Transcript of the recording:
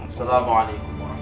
assalamualaikum wr wb